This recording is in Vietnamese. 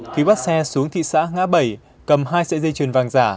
thì bắt xe xuống thị xã ngã bảy cầm hai sợi dây chuyền vàng giả